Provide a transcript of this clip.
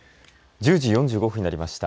１０時４５分になりました。